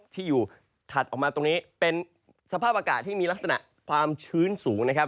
ที่อยู่ถัดออกมาตรงนี้เป็นสภาพอากาศที่มีลักษณะความชื้นสูงนะครับ